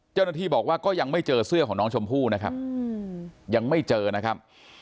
เจ้าหน้าที่บอกว่าก็ยังไม่เจอเสื้อของน้องชมพู่นะครับยังไม่เจอนะครับ